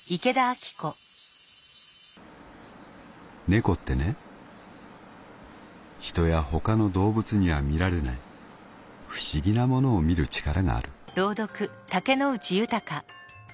「猫ってね人や他の動物には見られない不思議なものを見る力がある」。